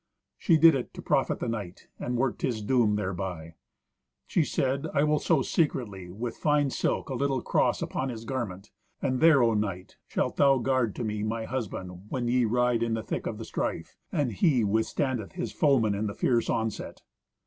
She did it to profit the knight, and worked his doom thereby. She said, "I will sew secretly, with fine silk, a little cross upon his garment, and there, O knight, shalt thou guard to me my husband when ye ride in the thick of the strife, and he withstandeth his foemen in the fierce onset."